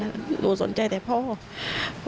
นายพิรายุนั่งอยู่ติดกันแบบนี้นะคะ